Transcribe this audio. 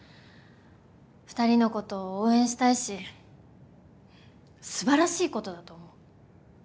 二人のことを応援したいしすばらしいことだと思う。